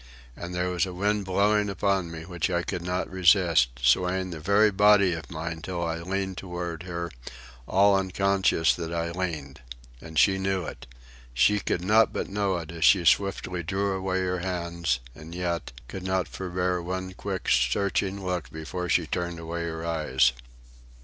And there was a wind blowing upon me which I could not resist, swaying the very body of me till I leaned toward her, all unconscious that I leaned. And she knew it. She could not but know it as she swiftly drew away her hands, and yet, could not forbear one quick searching look before she turned away her eyes.